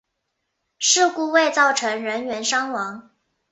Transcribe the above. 事故未造成人员伤亡。